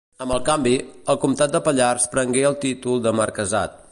Amb el canvi, el comtat de Pallars prengué el títol de marquesat.